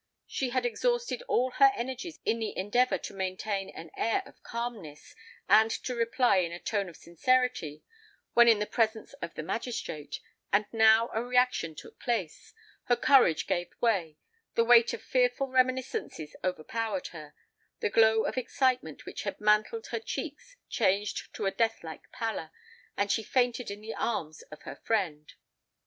She had exhausted all her energies in the endeavour to maintain an air of calmness, and to reply in a tone of sincerity when in the presence of the magistrate; and now a reaction took place—her courage gave way—the weight of fearful reminiscences overpowered her—the glow of excitement which had mantled her cheeks changed to a death like pallor—and she fainted in the arms of her friend.